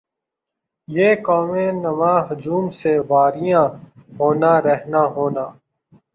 یِہ قوم نما ہجوم سے واریاں ہونا رہنا ہونا